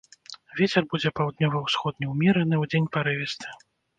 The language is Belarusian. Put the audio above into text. Вецер будзе паўднёва-ўсходні ўмераны, удзень парывісты.